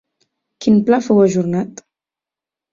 Quin pla fou ajornat?